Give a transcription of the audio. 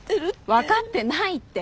分かってないって。